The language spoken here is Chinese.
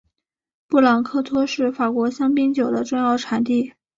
布朗科托是法国香槟酒的重要产区。